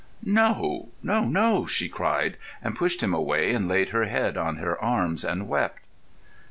"No, no, no," she cried, and pushed him away and laid her head on her arms and wept.